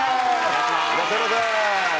いらっしゃいませ。